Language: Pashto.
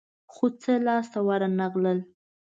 خو څه لاس ته ورنه غلل.